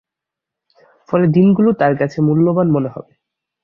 ফলে দিনগুলো তার কাছে মূল্যবান মনে হবে।